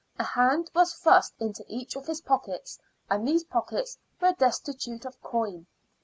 A hand was thrust into each of his pockets, and these pockets were destitute of coin.